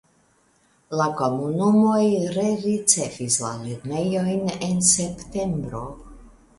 La komunumoj rericevis la lernejojn en septembro.